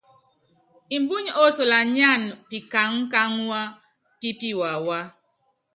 Mbuny osolanyáan pikaŋkáŋua pi piwawá.